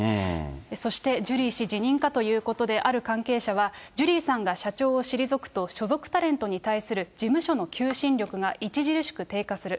そして、ジュリー氏辞任かということで、ある関係者は、ジュリーさんが社長を退くと、所属タレントに対する事務所の求心力が著しく低下する。